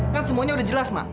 kan semuanya udah jelas mak